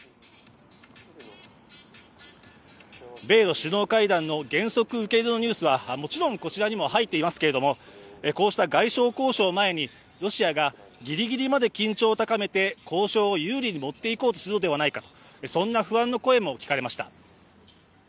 米ロ首脳会談の原則受け入れのニュースはもちろんこちらにも入っていますけれども、こうした外交交渉を前にロシアがぎりぎりまで緊張を高めて交渉を有利に持っていこうとするのではないかという不安の声も聞かれました。